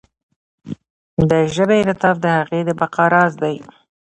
د ژبې انعطاف د هغې د بقا راز دی.